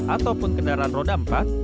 ataupun kendaraan roda empat